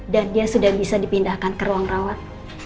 dan dia sudah bisa dipindahkan ke ruang rawat